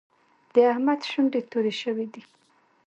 د احمد شونډې تورې شوې دي.